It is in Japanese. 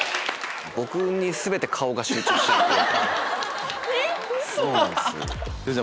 僕に全て顔が集中しちゃって。